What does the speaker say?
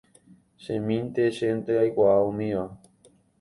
chemínte, chénte aikuaa umíva